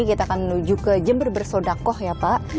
kita akan menuju ke jember bersodakoh ya pak